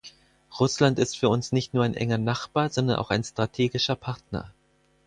Russland ist für uns nicht nur ein enger Nachbar, sondern auch ein strategischer Partner.